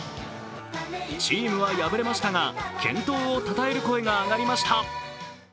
チームは敗れましたが健闘をたたえる声が上がりました。